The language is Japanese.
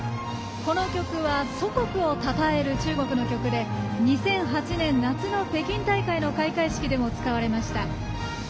この曲は祖国をたたえる中国の曲で２００８年夏の北京大会の開会式でも使われました。